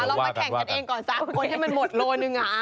เรามาแข่งกันเองก่อน๓คนให้มันหมดโลหนึ่ง